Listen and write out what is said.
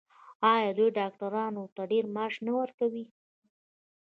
آیا دوی ډاکټرانو ته ډیر معاش نه ورکوي؟